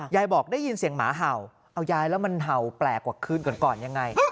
ยายบอกได้ยินเสียงหมาเห่าเอายายแล้วมันเห่าแปลกกว่าคืนก่อนยังไง